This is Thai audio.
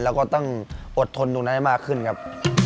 แล้วก็ต้องอดทนตรงนั้นให้มากขึ้นครับ